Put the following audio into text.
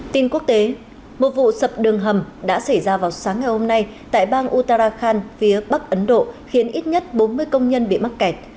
tin quốc tế một vụ sập đường hầm đã xảy ra vào sáng ngày hôm nay tại bang uttarakhand phía bắc ấn độ khiến ít nhất bốn mươi công nhân bị mắc kẹt